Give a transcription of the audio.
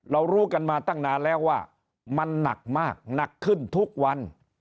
รู้กันมาตั้งนานแล้วว่ามันหนักมากหนักขึ้นทุกวัน